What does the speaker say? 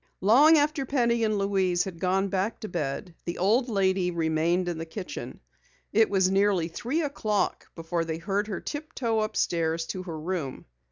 Long after Penny and Louise had gone back to bed the old lady remained in the kitchen. It was nearly three o'clock before they heard her tiptoe upstairs to her room.